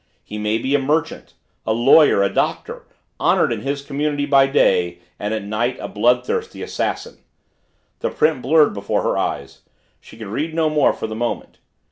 He may be a merchant a lawyer a Doctor honored in his community by day and at night a bloodthirsty assassin '" The print blurred before her eyes, she could read no more for the moment.